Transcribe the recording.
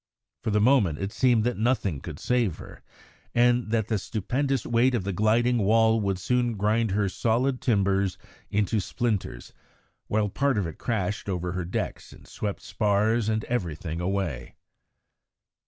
For the moment it seemed that nothing could save her, and that the stupendous weight of the gliding wall would soon grind her solid timbers into splinters, while part of it crashed over her decks and swept spars and everything away.